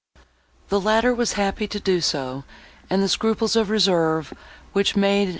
The latter was happy to do so, and the scruples of reserve, which made M.